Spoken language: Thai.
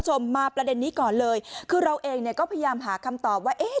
คุณผู้ชมมาประเด็นนี้ก่อนเลยคือเราเองเนี่ยก็พยายามหาคำตอบว่าเอ๊ะ